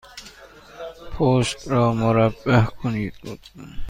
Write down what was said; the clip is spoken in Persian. پشت را مربع کنید، لطفا.